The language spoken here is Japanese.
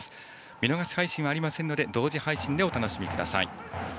見逃し配信はありませんので同時配信でお楽しみください。